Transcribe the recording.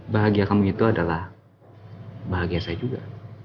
bahagia kamu itu adalah bahagia saya juga